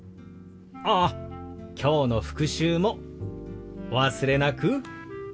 ああきょうの復習もお忘れなく。